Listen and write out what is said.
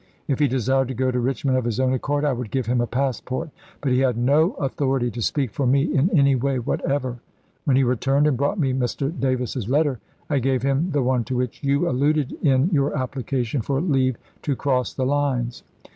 If he desired to go to Eichmond of his own accord, I would give him a passport ; but he had no authority to speak for me in any way whatever. When he returned and brought me Mr. Davis's letter, I gave him the one to which you alluded in your application for leave to cross the lines.